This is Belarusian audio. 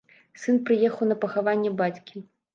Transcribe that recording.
Сын прыехаў на пахаванне бацькі.